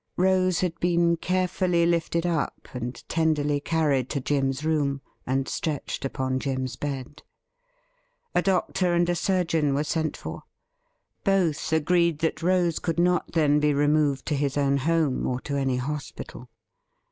Rose had been carefully lifted up, and tenderly carried to Jim's room and stretched upon Jim's bed. A doctor and a surgeon were sent for. Both agreed that Rose could not then be removed to his own home or to any hospital.